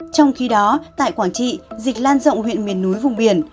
trong khi đó tại quảng trị dịch lan rộng huyện miền núi vùng biển